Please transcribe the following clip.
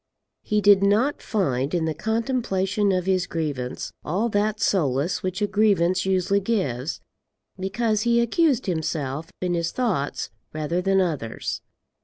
He did not find in the contemplation of his grievance all that solace which a grievance usually gives, because he accused himself in his thoughts rather than others.